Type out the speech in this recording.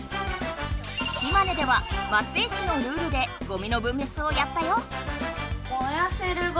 島根では松江市のルールでゴミの分別をやったよ！